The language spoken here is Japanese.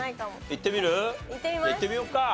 いってみようか。